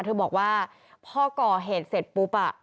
เธอบอกว่าพอก่อเหตุเสร็จปุ๊บ